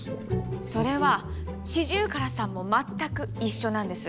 それはシジュウカラさんも全く一緒なんです。